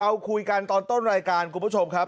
เราคุยกันตอนต้นรายการคุณผู้ชมครับ